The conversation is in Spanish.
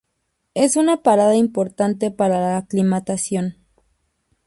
Es una parada importante para la aclimatación.